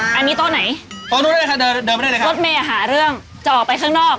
อ่าอันนี้โต๊ะไหนรถเมล์หาเรื่องจะออกไปข้างนอก